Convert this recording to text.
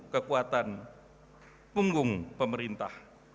kekuatan punggung pemerintah